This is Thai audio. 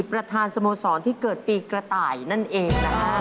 ประธานสโมสรที่เกิดปีกระต่ายนั่นเองนะฮะ